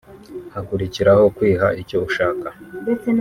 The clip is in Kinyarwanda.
hakurikiraho kwiha icyo ushaka